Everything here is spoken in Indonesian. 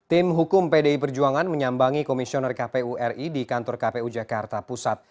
tim hukum pdi perjuangan menyambangi komisioner kpu ri di kantor kpu jakarta pusat